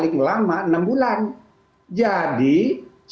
jadi suratnya itu maksudnya yang berakhirnya itu semenjak itu